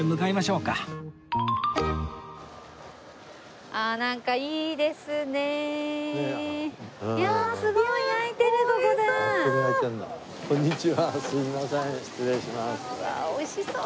うわ美味しそう！